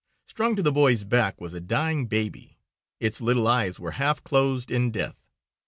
Strung to the boy's back was a dying baby. Its little eyes were half closed in death.